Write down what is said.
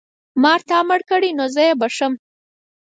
مار تا مړ کړی نو زه یې بښم.